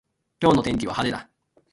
今日の天気は晴れだ。